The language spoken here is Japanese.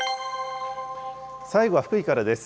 最後は福井からです。